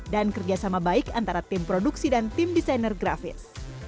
dan kerjasama baik antara tim produksi dan tim desainer grafis